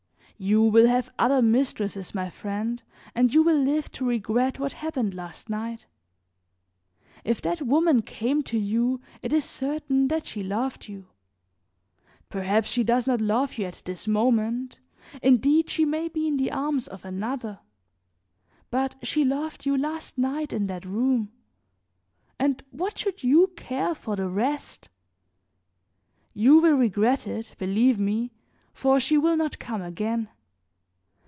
You will have other mistresses, my friend, and you will live to regret what happened last night. If that woman came to you it is certain that she loved you; perhaps she does not love you at this moment, indeed she may be in the arms of another; but she loved you last night in that room; and what should you care for the rest? You will regret it, believe me, for she will not come again.